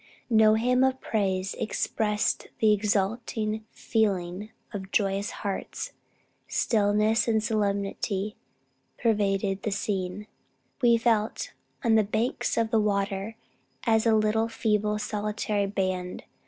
No hymn of praise expressed the exulting feeling of joyous hearts. Stillness and solemnity pervaded the scene. We felt, on the banks of the water, as a little, feeble, solitary band.